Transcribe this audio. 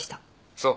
そう。